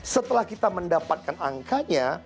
setelah kita mendapatkan angkanya